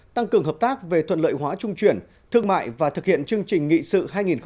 tăng cường hợp tác về thuận lợi hóa trung chuyển thương mại và thực hiện chương trình nghị sự hai nghìn ba mươi